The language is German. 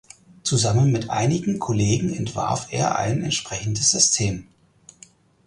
Zusammen mit einigen Kollegen entwarf er ein entsprechendes System.